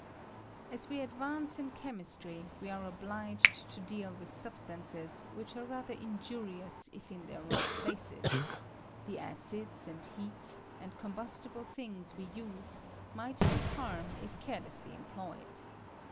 6 advance in chemistry we are obliged to deal with substances which are rather injurious if in their wrong places ; the acids, and heat, and combustible things we use might do harm if carelessly employed.